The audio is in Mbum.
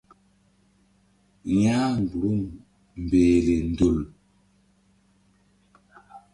Ya mgbuhrum mbehle ndol.